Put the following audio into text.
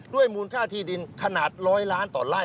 มูลค่าที่ดินขนาด๑๐๐ล้านต่อไล่